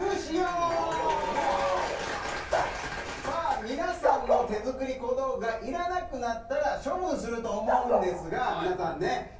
さあ皆さんの手作り小道具がいらなくなったら処分すると思うんですが皆さんね。